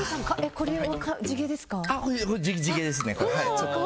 これは地毛ですね。